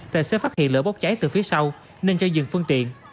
tài xế phát hiện lửa bốc cháy từ phía sau nên cho dừng phương tiện